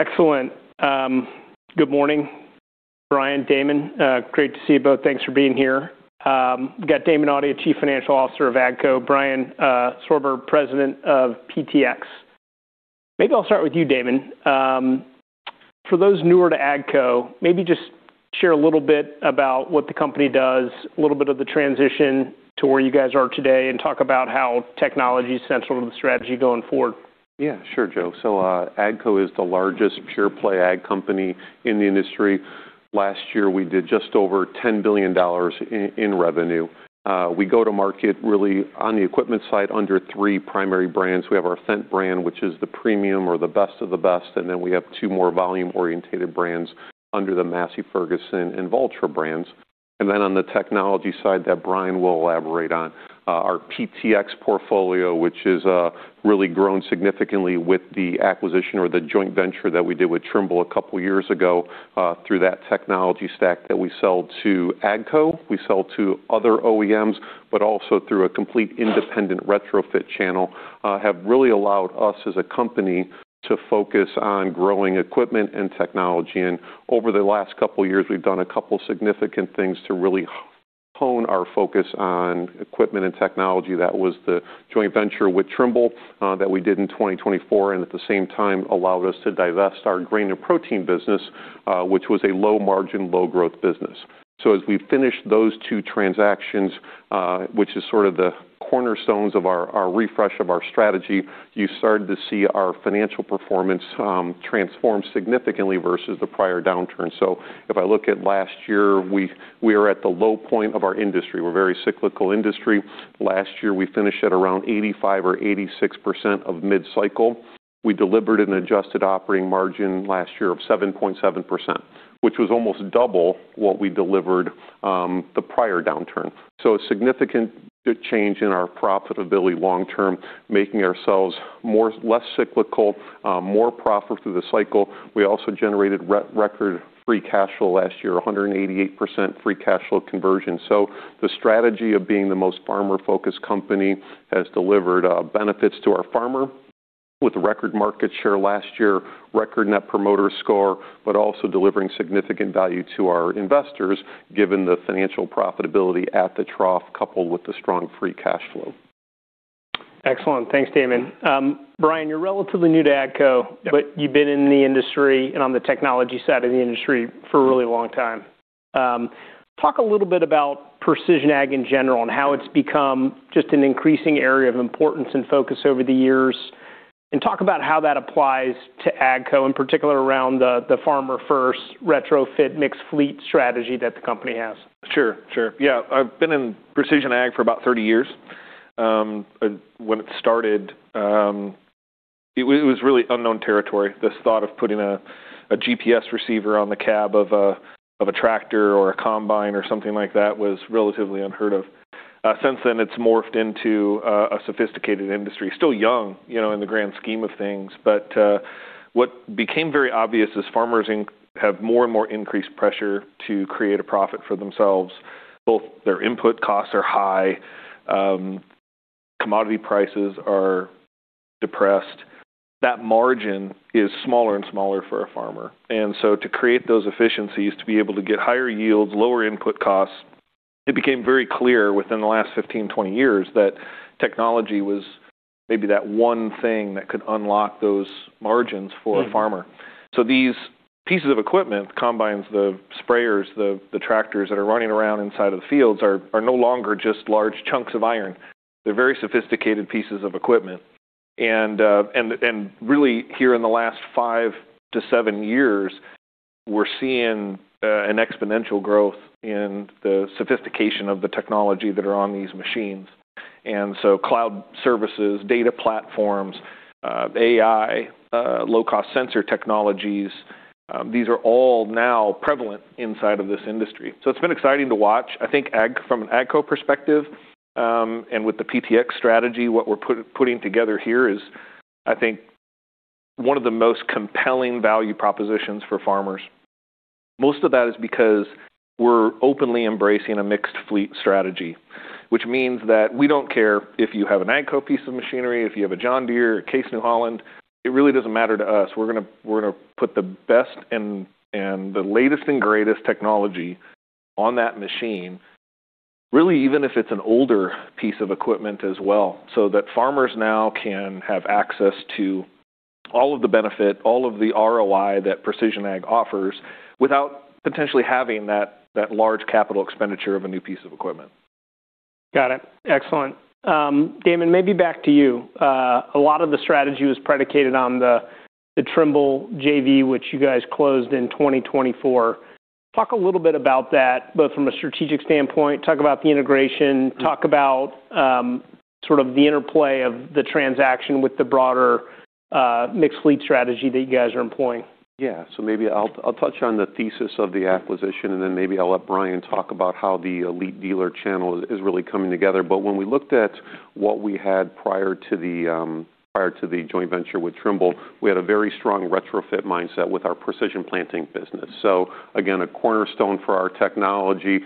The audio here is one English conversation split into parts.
Excellent. Good morning, Brian, Damon. Great to see you both. Thanks for being here. Got Damon Audia, Chief Financial Officer of AGCO. Brian Sorbe, President of PTx. Maybe I'll start with you, Damon. For those newer to AGCO, maybe just share a little bit about what the company does, a little bit of the transition to where you guys are today, and talk about how technology is central to the strategy going forward. Yeah, sure, Joe. AGCO is the largest pure play ag company in the industry. Last year, we did just over $10 billion in revenue. We go to market really on the equipment side under three primary brands. We have our Fendt brand, which is the premium or the best of the best, and then we have two more volume-orientated brands under the Massey Ferguson and Valtra brands. On the technology side that Brian will elaborate on, our PTx portfolio, which is really grown significantly with the acquisition or the joint venture that we did with Trimble a couple of years ago, through that technology stack that we sell to AGCO. We sell to other OEMs, but also through a complete independent retrofit channel, have really allowed us as a company to focus on growing equipment and technology. Over the last couple of years, we've done a couple of significant things to really hone our focus on equipment and technology. That was the joint venture with Trimble that we did in 2024, and at the same time allowed us to divest our Grain & Protein business, which was a low margin, low growth business. As we finished those two transactions, which is sort of the cornerstones of our refresh of our strategy, you started to see our financial performance transform significantly versus the prior downturn. If I look at last year, we are at the low point of our industry. We're a very cyclical industry. Last year, we finished at around 85% or 86% of mid-cycle. We delivered an adjusted operating margin last year of 7.7%, which was almost double what we delivered, the prior downturn. A significant change in our profitability long term, making ourselves less cyclical, more profit through the cycle. We also generated re-record Free Cash Flow last year, 188% Free Cash Flow Conversion. The strategy of being the most farmer-focused company has delivered benefits to our farmer with record market share last year, record Net Promoter Score, but also delivering significant value to our investors, given the financial profitability at the trough, coupled with the strong Free Cash Flow. Excellent. Thanks, Damon. Brian, you're relatively new to AGCO. Yeah. You've been in the industry and on the technology side of the industry for a really long time. Talk a little bit about precision ag in general and how it's become just an increasing area of importance and focus over the years. And talk about how that applies to AGCO, in particular around the Farmer-First retrofit mixed fleet strategy that the company has. Sure. Yeah, I've been in Precision Ag for about 30 years. When it started, it was really unknown territory. This thought of putting a GPS receiver on the cab of a tractor or a combine or something like that was relatively unheard of. Since then, it's morphed into a sophisticated industry, still young, you know, in the grand scheme of things. What became very obvious is farmers have more and more increased pressure to create a profit for themselves. Both their input costs are high, commodity prices are depressed. That margin is smaller and smaller for a farmer. To create those efficiencies, to be able to get higher yields, lower input costs, it became very clear within the last 15, 20 years that technology was maybe that one thing that could unlock those margins for a farmer. These pieces of equipment, the combines, the sprayers, the tractors that are running around inside of the fields are no longer just large chunks of iron. They're very sophisticated pieces of equipment. Really here in the last five to seven years, we're seeing an exponential growth in the sophistication of the technology that are on these machines. Cloud services, data platforms, AI, low-cost sensor technologies, these are all now prevalent inside of this industry. It's been exciting to watch. I think ag from an AGCO perspective, and with the PTx strategy, what we're putting together here is, I think, one of the most compelling value propositions for farmers. Most of that is because we're openly embracing a mixed fleet strategy, which means that we don't care if you have an AGCO piece of machinery, if you have a John Deere, Case IH and New Holland, it really doesn't matter to us. We're gonna put the best and the latest and greatest technology on that machine, really even if it's an older piece of equipment as well, so that farmers now can have access to all of the benefit, all of the ROI that precision ag offers without potentially having that large capital expenditure of a new piece of equipment. Got it. Excellent. Damon, maybe back to you. A lot of the strategy was predicated on the Trimble JV, which you guys closed in 2024. Talk a little bit about that, both from a strategic standpoint, talk about the integration. Talk about, sort of the interplay of the transaction with the broader mixed fleet strategy that you guys are employing. Maybe I'll touch on the thesis of the acquisition, and then maybe I'll let Brian talk about how the Elite Dealers channel is really coming together. When we looked at what we had prior to the joint venture with Trimble, we had a very strong retrofit mindset with our Precision Planting business. Again, a cornerstone for our technology,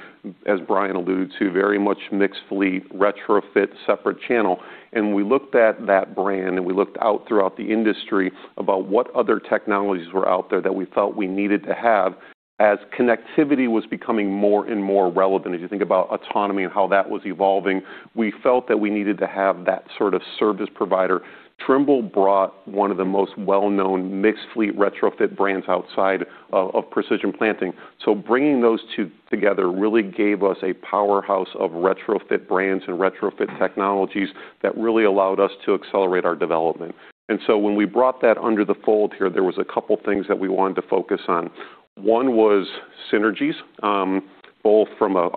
as Brian alluded to, very much mixed fleet, retrofit, separate channel. We looked at that brand, and we looked out throughout the industry about what other technologies were out there that we felt we needed to have as connectivity was becoming more and more relevant. As you think about autonomy and how that was evolving, we felt that we needed to have that sort of service provider. Trimble brought one of the most well-known mixed fleet retrofit brands outside of Precision Planting. Bringing those two together really gave us a powerhouse of retrofit brands and retrofit technologies that really allowed us to accelerate our development. When we brought that under the fold here, there was a couple things that we wanted to focus on. One was synergies, both from a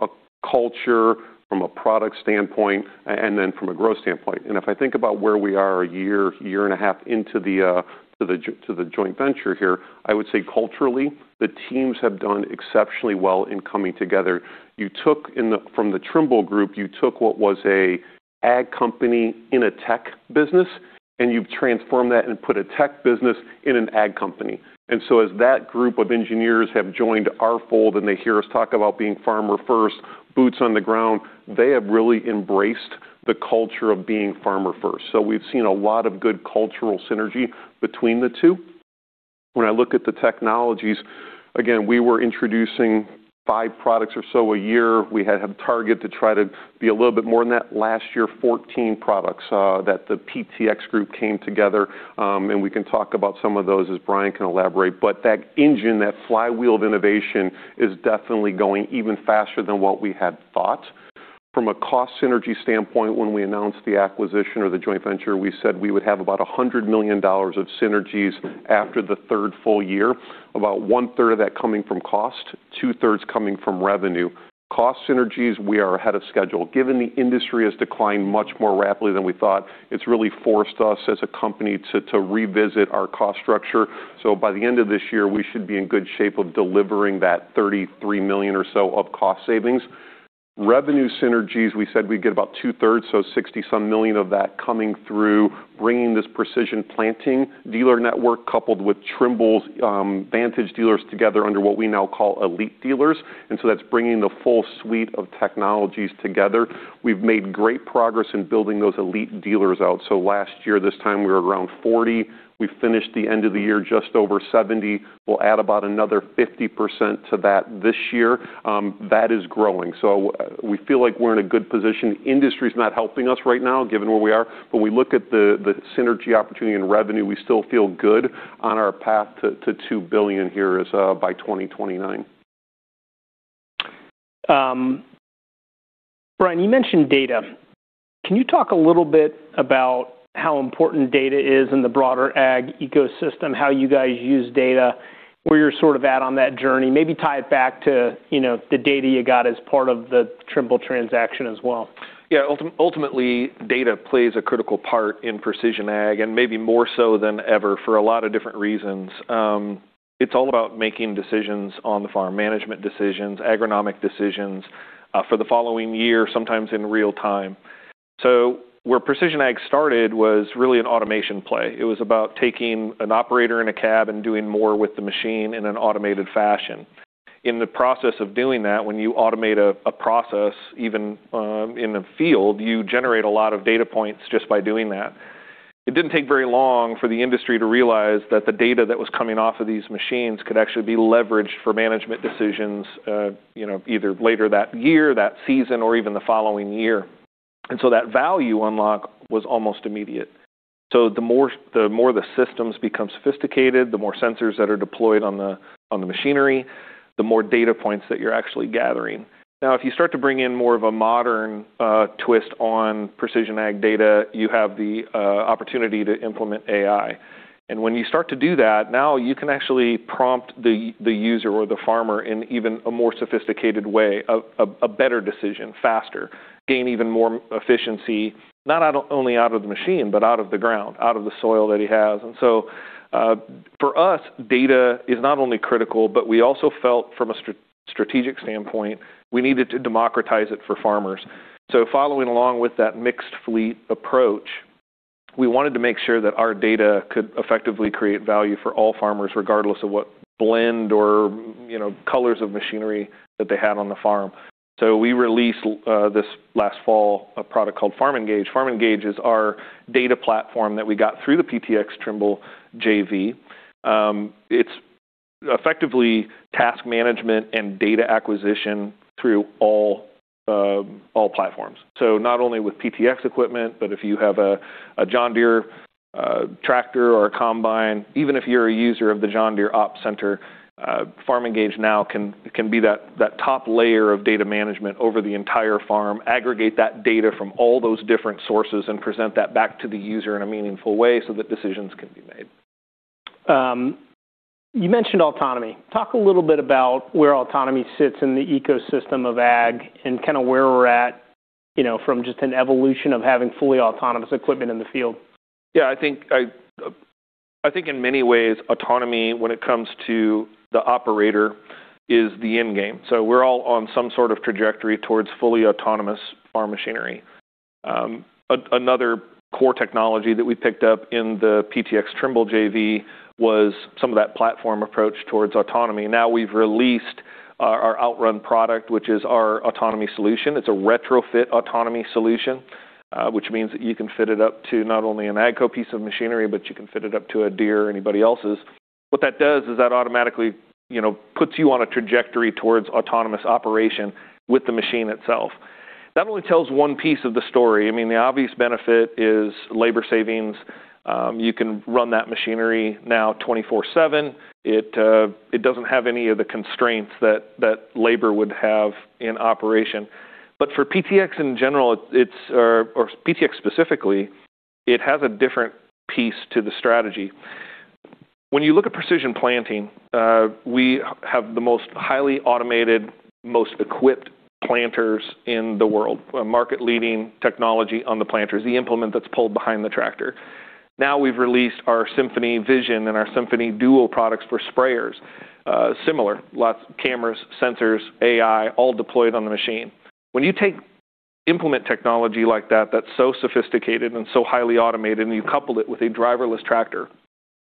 culture, from a product standpoint, and then from a growth standpoint. If I think about where we are a year and a half into the to the joint venture here, I would say culturally, the teams have done exceptionally well in coming together. You took from the Trimble group, you took what was a ag company in a tech business, and you've transformed that and put a tech business in an ag company. As that group of engineers have joined our fold, and they hear us talk about being Farmer-First, boots on the ground, they have really embraced the culture of being Farmer-First. We've seen a lot of good cultural synergy between the two. When I look at the technologies, again, we were introducing five products or so a year. We had a target to try to be a little bit more than that. Last year, 14 products that the PTx group came together, and we can talk about some of those as Brian can elaborate. That engine, that flywheel of innovation is definitely going even faster than what we had thought. From a cost synergy standpoint, when we announced the acquisition or the joint venture, we said we would have about $100 million of synergies after the third full year, about one-third of that coming from cost, two-thirds coming from revenue. Cost synergies, we are ahead of schedule. Given the industry has declined much more rapidly than we thought, it's really forced us as a company to revisit our cost structure. By the end of this year, we should be in good shape of delivering that $33 million or so of cost savings. Revenue synergies, we said we'd get about two-thirds, so $60-some million of that coming through bringing this Precision Planting dealer network coupled with Trimble's Vantage dealers together under what we now call Elite Dealers. That's bringing the full suite of technologies together. We've made great progress in building those Elite Dealers out. Last year, this time, we were around 40%. We finished the end of the year just over 70%. We'll add about another 50% to that this year. That is growing. We feel like we're in a good position. Industry's not helping us right now, given where we are. When we look at the synergy opportunity and revenue, we still feel good on our path to $2 billion here as by 2029. Brian, you mentioned data. Can you talk a little bit about how important data is in the broader ag ecosystem, how you guys use data, where you're sort of at on that journey? Maybe tie it back to, you know, the data you got as part of the Trimble transaction as well? Yeah. Ultimately, data plays a critical part in precision ag, and maybe more so than ever for a lot of different reasons. It's all about making decisions on the farm, management decisions, agronomic decisions, for the following year, sometimes in real time. Where precision ag started was really an automation play. It was about taking an operator in a cab and doing more with the machine in an automated fashion. In the process of doing that, when you automate a process, even, in the field, you generate a lot of data points just by doing that. It didn't take very long for the industry to realize that the data that was coming off of these machines could actually be leveraged for management decisions, you know, either later that year, that season, or even the following year. That value unlock was almost immediate. The more the systems become sophisticated, the more sensors that are deployed on the machinery, the more data points that you're actually gathering. If you start to bring in more of a modern twist on precision ag data, you have the opportunity to implement AI. When you start to do that, now you can actually prompt the user or the farmer in even a more sophisticated way, a better decision faster, gain even more efficiency, not only out of the machine, but out of the ground, out of the soil that he has. For us, data is not only critical, but we also felt from a strategic standpoint, we needed to democratize it for farmers. Following along with that mixed fleet approach, we wanted to make sure that our data could effectively create value for all farmers, regardless of what blend or, you know, colors of machinery that they had on the farm. We released this last fall, a product called FarmENGAGE. FarmENGAGE is our data platform that we got through the PTx Trimble JV. It's effectively task management and data acquisition through all platforms. Not only with PTx equipment, but if you have a John Deere tractor or a combine, even if you're a user of the John Deere Op Center, FarmENGAGE now can be that top layer of data management over the entire farm, aggregate that data from all those different sources, and present that back to the user in a meaningful way so that decisions can be made. You mentioned autonomy. Talk a little bit about where autonomy sits in the ecosystem of ag and kinda where we're at, you know, from just an evolution of having fully autonomous equipment in the field? Yeah, I think, I think in many ways, autonomy, when it comes to the operator, is the endgame. We're all on some sort of trajectory towards fully autonomous farm machinery. another core technology that we picked up in the PTx Trimble JV was some of that platform approach towards autonomy. Now we've released our OutRun product, which is our autonomy solution. It's a retrofit autonomy solution, which means that you can fit it up to not only an AGCO piece of machinery, but you can fit it up to a Deere or anybody else's. What that does is that automatically, you know, puts you on a trajectory towards autonomous operation with the machine itself. That only tells one piece of the story. I mean, the obvious benefit is labor savings. You can run that machinery now 24/7. It doesn't have any of the constraints that labor would have in operation. For PTx in general. Or PTx specifically, it has a different piece to the strategy. When you look at Precision Planting, we have the most highly automated, most equipped planters in the world. A market-leading technology on the planters, the implement that's pulled behind the tractor. We've released our SymphonyVision and our SymphonyVision Duo products for sprayers. Similar. Lots of cameras, sensors, AI, all deployed on the machine. When you take implement technology like that that's so sophisticated and so highly automated, and you couple it with a driverless tractor,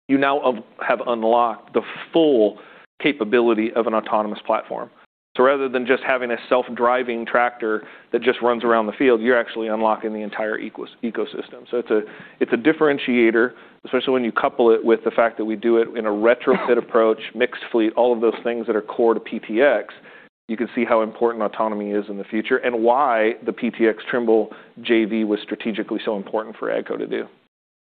you now have unlocked the full capability of an autonomous platform. Rather than just having a self-driving tractor that just runs around the field, you're actually unlocking the entire ecosystem. It's a differentiator, especially when you couple it with the fact that we do it in a retrofit approach, mixed fleet, all of those things that are core to PTx. You can see how important autonomy is in the future and why the PTx Trimble JV was strategically so important for AGCO to do.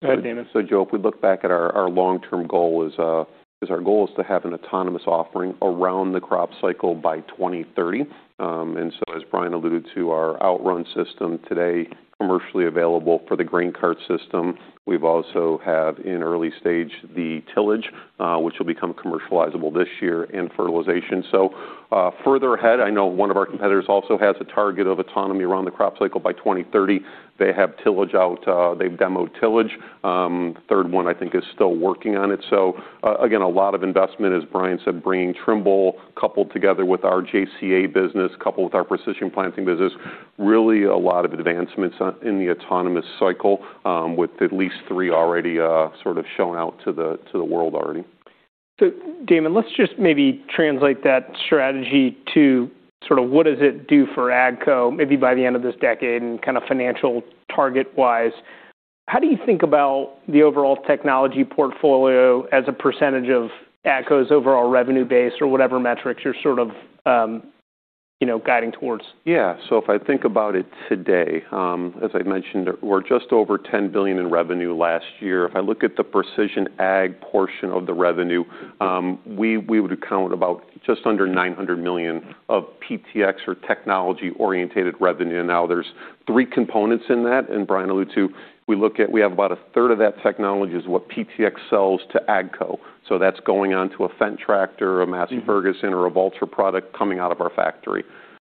Go ahead, Damon. Joe, if we look back at our long-term goal is to have an autonomous offering around the crop cycle by 2030. As Brian alluded to, our OutRun system today, commercially available for the grain cart system. We've also have, in early stage, the tillage, which will become commercializable this year, and fertilization. Further ahead, I know one of our competitors also has a target of autonomy around the crop cycle by 2030. They have tillage out. They've demoed tillage. Third one I think is still working on it. So again, a lot of investment, as Brian said, bringing Trimble coupled together with our JCA business, coupled with our Precision Planting business, really a lot of advancements in the autonomous cycle, with at least three already, sort of shown out to the world already. Damon, let's just maybe translate that strategy to sort of what does it do for AGCO maybe by the end of this decade and kinda financial target-wise. How do you think about the overall technology portfolio as a % of AGCO's overall revenue base or whatever metrics you're sort of, you know, guiding towards? Yeah. If I think about it today, as I mentioned, we're just over $10 billion in revenue last year. If I look at the precision ag portion of the revenue, we would count about just under $900 million of PTx or technology-orientated revenue. There's three components in that, and Brian alluded to. We have about a third of that technology is what PTx sells to AGCO, so that's going onto a Fendt tractor, a Massey Ferguson, or a Valtra product coming out of our factory.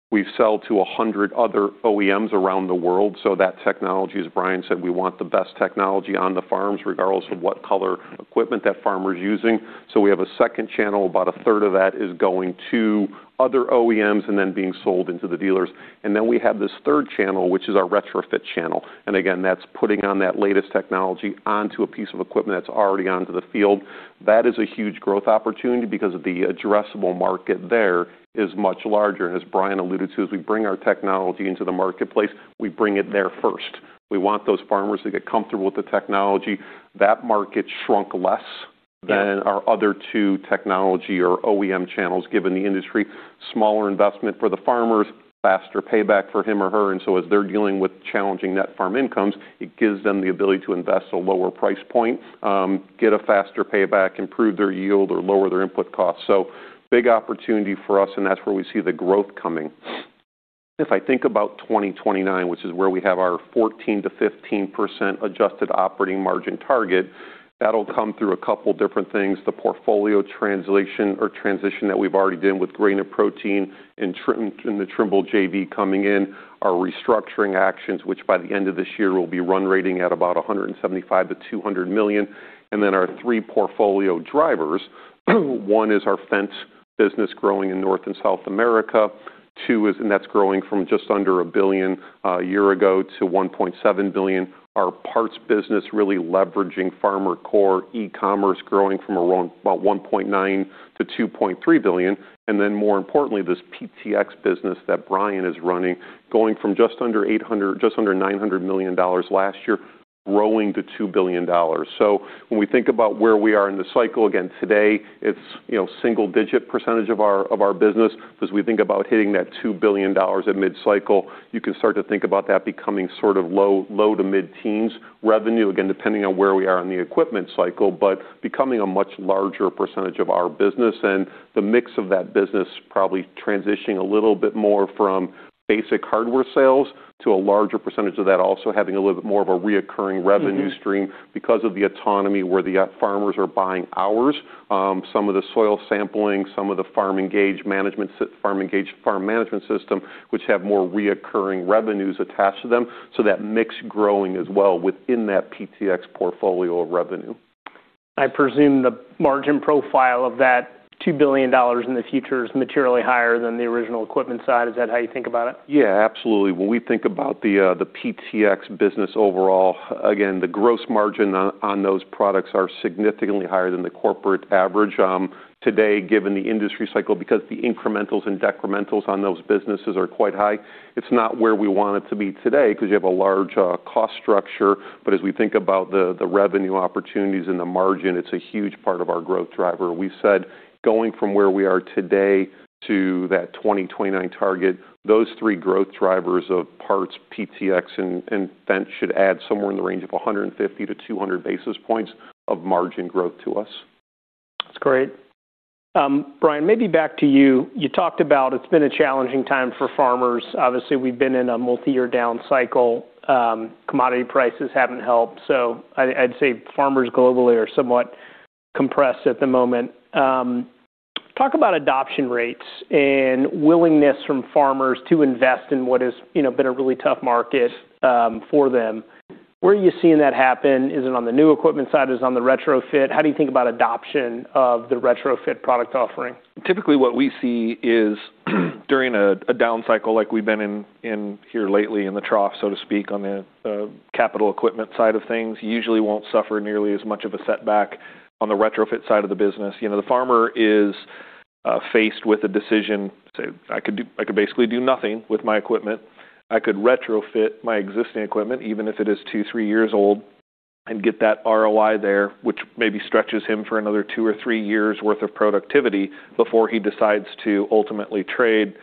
We sell to 100 other OEMs around the world, so that technology, as Brian said, we want the best technology on the farms regardless of what color equipment that farmer's using. We have a second channel. About a third of that is going to other OEMs and then being sold into the dealers. Then we have this third channel, which is our retrofit channel. Again, that's putting on that latest technology onto a piece of equipment that's already onto the field. That is a huge growth opportunity because the addressable market there is much larger, as Brian alluded to, as we bring our technology into the marketplace, we bring it there first. We want those farmers to get comfortable with the technology. That market shrunk less than our other two technology or OEM channels, given the industry. Smaller investment for the farmers, faster payback for him or her, as they're dealing with challenging net farm incomes, it gives them the ability to invest a lower price point, get a faster payback, improve their yield or lower their input costs. Big opportunity for us, and that's where we see the growth coming. If I think about 2029, which is where we have our 14%-15% adjusted operating margin target, that'll come through a couple different things. The portfolio translation or transition that we've already done with Grain & Protein and the Trimble JV coming in. Our restructuring actions, which by the end of this year will be run rating at about $175 million-$200 million. Our three portfolio drivers, one is our Fendt business growing in North and South America. That's growing from just under $1 billion a year ago to $1.7 billion. Our parts business really leveraging FarmerCore e-commerce growing from around about $1.9 billion-$2.3 billion. More importantly, this PTx business that Brian is running going from just under $800 million, just under $900 million last year, growing to $2 billion. When we think about where we are in the cycle, again, today it's, you know, single-digit percentage of our business. As we think about hitting that $2 billion at mid-cycle, you can start to think about that becoming sort of low to mid-teens revenue, again, depending on where we are in the equipment cycle, but becoming a much larger percentage of our business. The mix of that business probably transitioning a little bit more from basic hardware sales to a larger percentage of that also having a little bit more of a reoccurring revenue stream because of the autonomy where the farmers are buying ours. Some of the soil sampling, some of the FarmENGAGE farm management system, which have more recurring revenues attached to them, so that mix growing as well within that PTx portfolio of revenue. I presume the margin profile of that $2 billion in the future is materially higher than the original equipment side. Is that how you think about it? Yeah, absolutely. When we think about the PTx business overall, again, the gross margin on those products are significantly higher than the corporate average today, given the industry cycle, because the incrementals and decrementals on those businesses are quite high. It's not where we want it to be today because you have a large cost structure. As we think about the revenue opportunities and the margin, it's a huge part of our growth driver. We said going from where we are today to that 2029 target, those three growth drivers of parts, PTx, and Fendt should add somewhere in the range of 150-200 basis points of margin growth to us. That's great. Brian, maybe back to you. You talked about it's been a challenging time for farmers. Obviously, we've been in a multi-year down cycle. Commodity prices haven't helped. I'd say farmers globally are somewhat compressed at the moment. Talk about adoption rates and willingness from farmers to invest in what is, you know, been a really tough market, for them? Where are you seeing that happen? Is it on the new equipment side? Is on the retrofit? How do you think about adoption of the retrofit product offering? Typically, what we see is during a down cycle like we've been in here lately in the trough, so to speak, on the capital equipment side of things, you usually won't suffer nearly as much of a setback on the retrofit side of the business. You know, the farmer is faced with a decision, say, "I could basically do nothing with my equipment. I could retrofit my existing equipment, even if it is two, three years old, and get that ROI there," which maybe stretches him for another two or three years worth of productivity before he decides to ultimately trade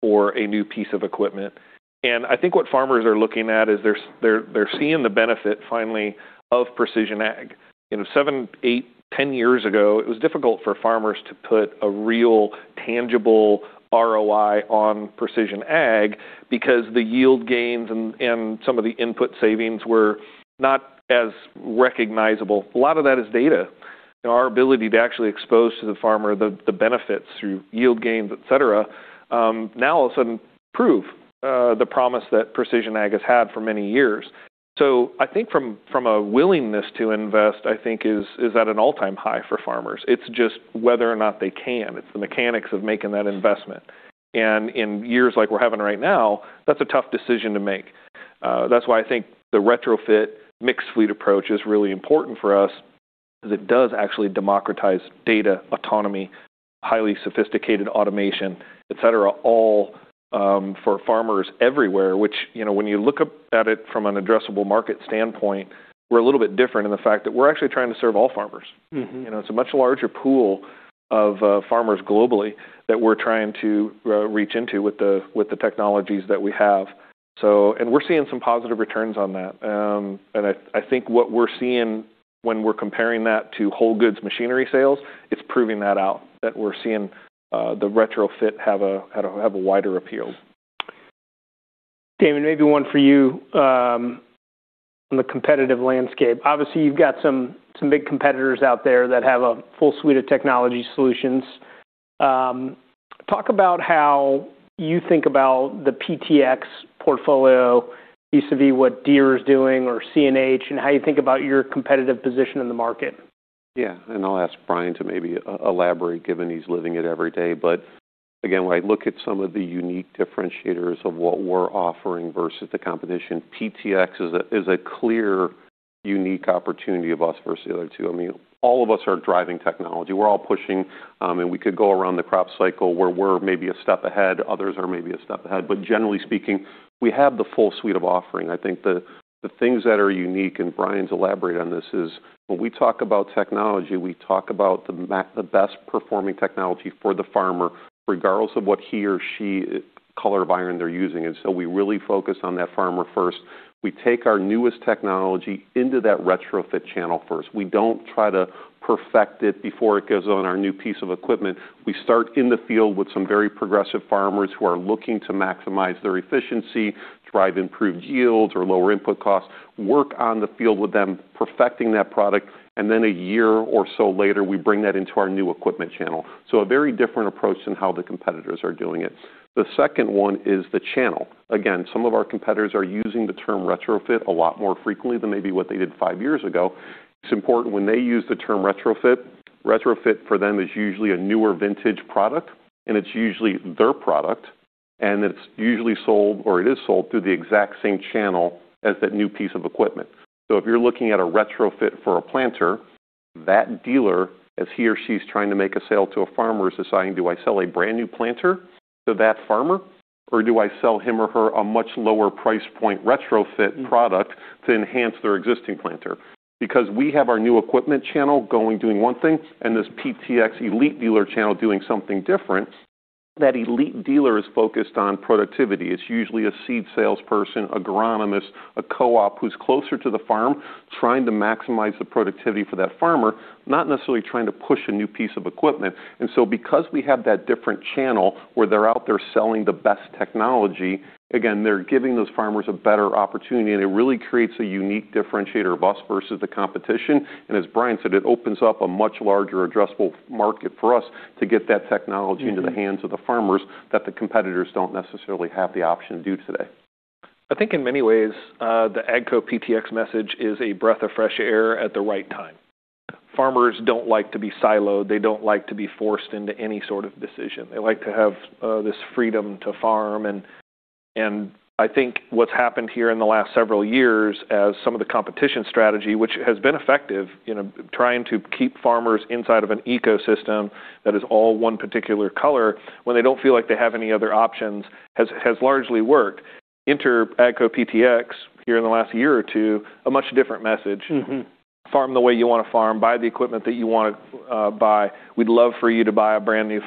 for a new piece of equipment. I think what farmers are looking at is they're seeing the benefit finally of precision ag. You know, seven, eight, 10 years ago, it was difficult for farmers to put a real tangible ROI on precision ag because the yield gains and some of the input savings were not as recognizable. A lot of that is data. Our ability to actually expose to the farmer the benefits through yield gains, et cetera, now all of a sudden prove the promise that precision ag has had for many years. I think from a willingness to invest, I think is at an all-time high for farmers. It's just whether or not they can. It's the mechanics of making that investment. In years like we're having right now, that's a tough decision to make. That's why I think the retrofit mixed fleet approach is really important for us 'cause it does actually democratize data autonomy, highly sophisticated automation, et cetera, all, for farmers everywhere, which, you know, when you look up at it from an addressable market standpoint, we're a little bit different in the fact that we're actually trying to serve all farmers. You know, it's a much larger pool of farmers globally that we're trying to reach into with the technologies that we have. We're seeing some positive returns on that. I think what we're seeing when we're comparing that to whole goods machinery sales, it's proving that out, that we're seeing the retrofit have a wider appeal. Damon, maybe one for you, on the competitive landscape. Obviously, you've got some big competitors out there that have a full suite of technology solutions. Talk about how you think about the PTx portfolio vis-à-vis what Deere is doing or CNH and how you think about your competitive position in the market? Yeah. I'll ask Brian to maybe elaborate, given he's living it every day. Again, when I look at some of the unique differentiators of what we're offering versus the competition, PTx is a, is a clear, unique opportunity of us versus the other two. I mean, all of us are driving technology. We're all pushing. We could go around the crop cycle where we're maybe a step ahead, others are maybe a step ahead. Generally speaking, we have the full suite of offering. I think the things that are unique, and Brian's elaborate on this, is when we talk about technology, we talk about the best performing technology for the farmer, regardless of what he or she color of iron they're using. We really focus on that Farmer-First. We take our newest technology into that retrofit channel first. We don't try to perfect it before it goes on our new piece of equipment. We start in the field with some very progressive farmers who are looking to maximize their efficiency, drive improved yields or lower input costs, work on the field with them, perfecting that product, and then a year or so later, we bring that into our new equipment channel. A very different approach than how the competitors are doing it. The second one is the channel. Again, some of our competitors are using the term retrofit a lot more frequently than maybe what they did five years ago. It's important when they use the term retrofit for them is usually a newer vintage product, and it's usually their product, and it's usually sold, or it is sold through the exact same channel as that new piece of equipment. If you're looking at a retrofit for a planter, that dealer, as he or she's trying to make a sale to a farmer, is deciding, do I sell a brand new planter to that farmer, or do I sell him or her a much lower price point retrofit product to enhance their existing planter? We have our new equipment channel going, doing one thing, and this PTx Elite Dealer channel doing something different, that Elite Dealer is focused on productivity. It's usually a seed salesperson, agronomist, a co-op who's closer to the farm, trying to maximize the productivity for that farmer, not necessarily trying to push a new piece of equipment. Because we have that different channel where they're out there selling the best technology, again, they're giving those farmers a better opportunity, and it really creates a unique differentiator of us versus the competition. As Brian said, it opens up a much larger addressable market for us to get that technology into the hands of the farmers that the competitors don't necessarily have the option to do today. I think in many ways, the AGCO PTx message is a breath of fresh air at the right time. Farmers don't like to be siloed. They don't like to be forced into any sort of decision. They like to have this freedom to farm. I think what's happened here in the last several years as some of the competition strategy, which has been effective, you know, trying to keep farmers inside of an ecosystem that is all one particular color when they don't feel like they have any other options, has largely worked. Enter AGCO PTx here in the last year or two, a much different message. Farm the way you wanna farm. Buy the equipment that you wanna buy. We'd love for you to buy a brand-new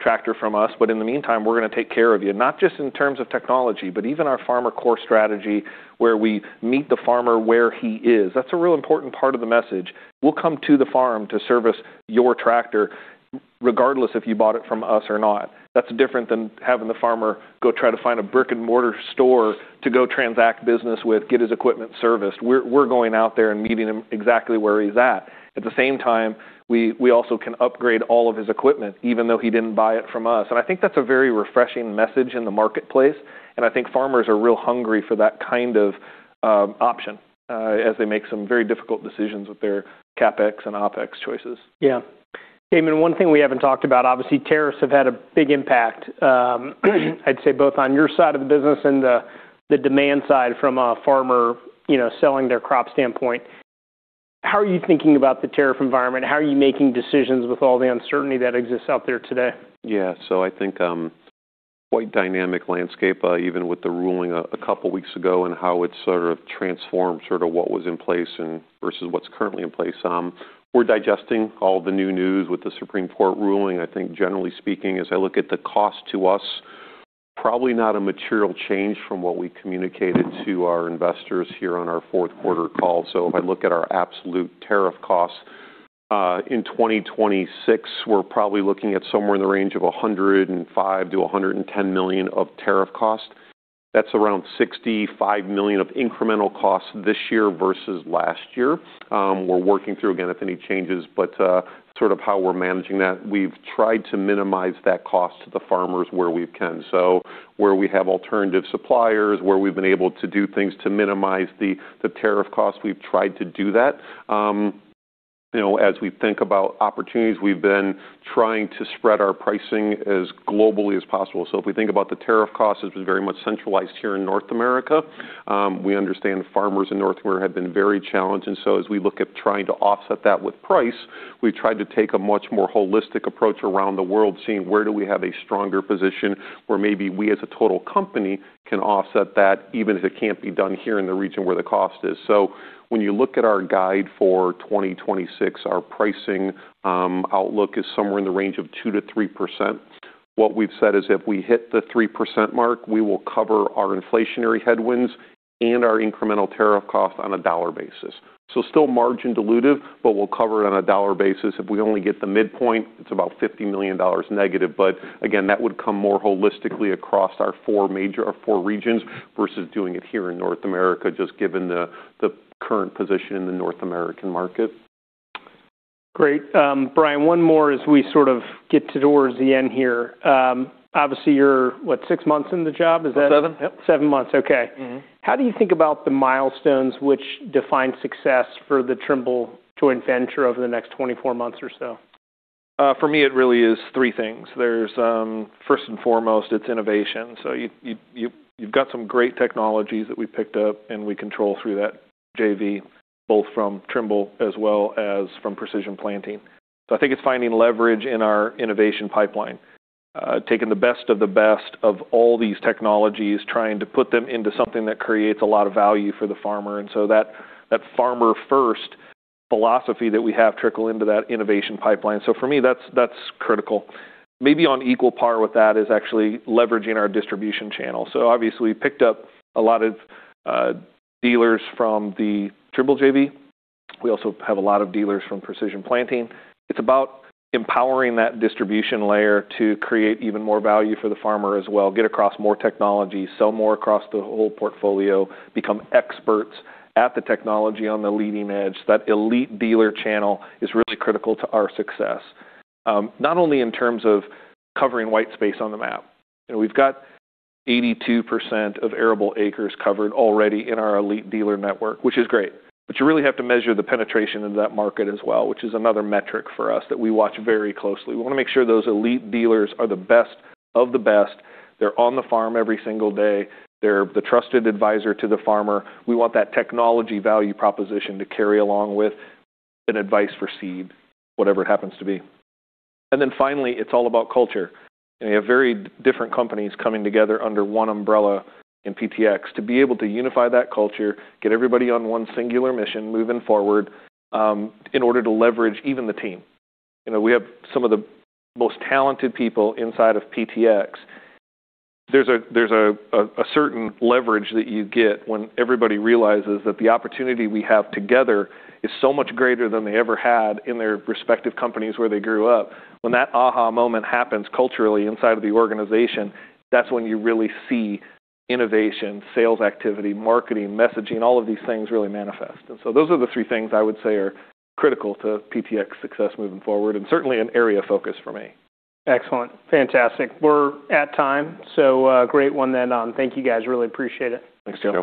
tractor from us. In the meantime, we're gonna take care of you, not just in terms of technology, but even our FarmerCore strategy, where we meet the farmer where he is. That's a real important part of the message. We'll come to the farm to service your tractor, regardless if you bought it from us or not. That's different than having the farmer go try to find a brick and mortar store to go transact business with, get his equipment serviced. We're going out there and meeting him exactly where he's at. At the same time, we also can upgrade all of his equipment even though he didn't buy it from us. I think that's a very refreshing message in the marketplace, and I think farmers are real hungry for that kind of option as they make some very difficult decisions with their CapEx and OpEx choices. Damon, one thing we haven't talked about, obviously, tariffs have had a big impact, I'd say both on your side of the business and the demand side from a farmer, you know, selling their crop standpoint. How are you thinking about the tariff environment? How are you making decisions with all the uncertainty that exists out there today? Yeah. I think, quite dynamic landscape, even with the ruling a couple weeks ago and how it sort of transformed sort of what was in place and versus what's currently in place. We're digesting all the new news with the Supreme Court ruling. I think generally speaking, as I look at the cost to us, probably not a material change from what we communicated to our investors here on our fourth quarter call. If I look at our absolute tariff costs, in 2026, we're probably looking at somewhere in the range of $105 million-$110 million of tariff cost. That's around $65 million of incremental costs this year versus last year. We're working through again if any changes, but sort of how we're managing that. We've tried to minimize that cost to the farmers where we can. Where we have alternative suppliers, where we've been able to do things to minimize the tariff cost, we've tried to do that. You know, as we think about opportunities, we've been trying to spread our pricing as globally as possible. If we think about the tariff cost, which was very much centralized here in North America, we understand farmers in North America have been very challenged. As we look at trying to offset that with price, we've tried to take a much more holistic approach around the world, seeing where do we have a stronger position where maybe we as a total company can offset that, even if it can't be done here in the region where the cost is. When you look at our guide for 2026, our pricing outlook is somewhere in the range of 2%-3%. What we've said is if we hit the 3% mark, we will cover our inflationary headwinds and our incremental tariff cost on a dollar basis. Still margin dilutive, but we'll cover it on a dollar basis. If we only get the midpoint, it's about $50 million negative. Again, that would come more holistically across our four regions versus doing it here in North America, just given the current position in the North American market. Great. Brian, one more as we sort of get to towards the end here. obviously, you're, what? Six months in the job. Seven. Yep. Seven months, okay. Mm-hmm. How do you think about the milestones which define success for the Trimble joint venture over the next 24 months or so? For me, it really is three things. There's, first and foremost, it's innovation. You've got some great technologies that we picked up and we control through that JV, both from Trimble as well as from Precision Planting. I think it's finding leverage in our innovation pipeline. Taking the best of the best of all these technologies, trying to put them into something that creates a lot of value for the farmer. That Farmer-First philosophy that we have trickle into that innovation pipeline. For me, that's critical. Maybe on equal par with that is actually leveraging our distribution channel. Obviously, we picked up a lot of dealers from the Trimble JV. We also have a lot of dealers from Precision Planting. It's about empowering that distribution layer to create even more value for the farmer as well, get across more technology, sell more across the whole portfolio, become experts at the technology on the leading edge. That Elite Dealers channel is really critical to our success, not only in terms of covering white space on the map. You know, we've got 82% of arable acres covered already in our Elite Dealers network, which is great, but you really have to measure the penetration in that market as well, which is another metric for us that we watch very closely. We wanna make sure those Elite Dealers are the best of the best. They're on the farm every single day. They're the trusted advisor to the farmer. We want that technology value proposition to carry along with an advice for seed, whatever it happens to be. Then finally, it's all about culture. We have very different companies coming together under one umbrella in PTx. To be able to unify that culture, get everybody on one singular mission moving forward, in order to leverage even the team. You know, we have some of the most talented people inside of PTx. There's a certain leverage that you get when everybody realizes that the opportunity we have together is so much greater than they ever had in their respective companies where they grew up. When that aha moment happens culturally inside of the organization, that's when you really see innovation, sales activity, marketing, messaging, all of these things really manifest. So those are the three things I would say are critical to PTx success moving forward, and certainly an area of focus for me. Excellent. Fantastic. We're at time, so, great one then. Thank you, guys. Really appreciate it. Thanks, Joe.